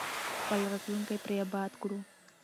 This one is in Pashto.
خپل راتلونکی پرې اباد کړو.